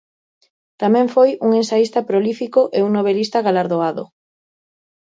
Tamén foi un ensaísta prolífico e un novelista galardoado.